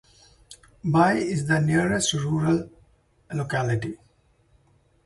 Buy is the nearest rural locality.